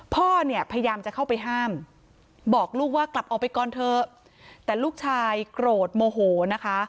พ่อเนี่ยพยายามจะเข้าไปห้ามบอกลูกว่ากลับออกไปก่อนเถอะแต่ลูกชายโกรธโมโหนะคะ